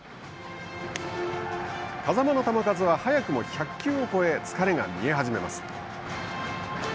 風間の球数は早くも１００球を超え疲れが見え始めます。